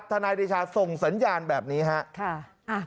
นายเดชาส่งสัญญาณแบบนี้ครับ